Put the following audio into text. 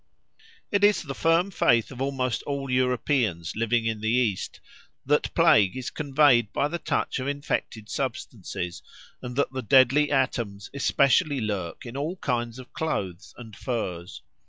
It is the firm faith of almost all the Europeans living in the East that Plague is conveyed by the touch of infected substances, and that the deadly atoms especially lurk in all kinds of clothes and furs.